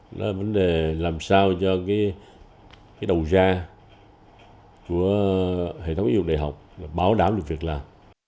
nó là vấn đề làm sao cho cái đầu ra của hệ thống yếu đại học báo đảm được việc làm